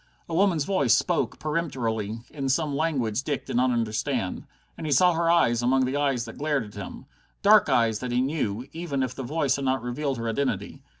A woman's voice spoke peremptorily, in some language Dick did not understand. And he saw her eyes among the eyes that glared at him. Dark eyes that he knew, even if the voice had not revealed her identity.